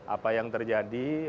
apa yang terjadi